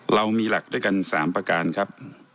เรามีหลักด้วยกัน๓ประการครับ